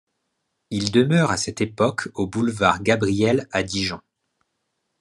Il demeure à cette époque au boulevard Gabriel à Dijon.